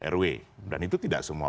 rw dan itu tidak semua